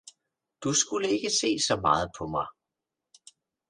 Du skulle ikke se så meget på mig